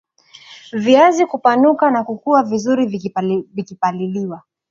viazi kupanuka na kukua vizuri vikipaliliwa